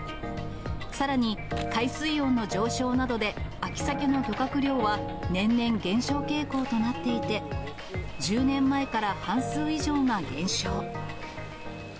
さらに海水温の上昇などで秋サケの漁獲量は、年々減少傾向となっていて、１０年前から半数以上が減少。